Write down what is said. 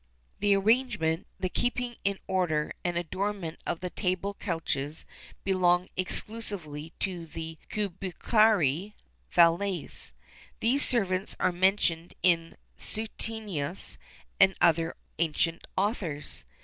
The arrangement, the keeping in order, and adornment of the table couches belonged exclusively to the cubicularii (valets).[XXXIII 16] These servants are mentioned in Suetonius and other ancient authors.